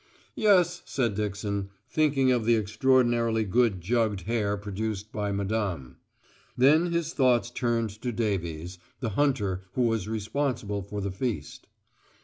"Yes," said Dixon, thinking of the extraordinarily good jugged hare produced by Madame. Then his thoughts turned to Davies, the hunter who was responsible for the feast.